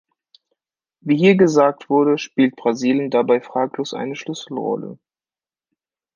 Wie hier gesagt wurde, spielt Brasilien dabei fraglos eine Schlüsselrolle.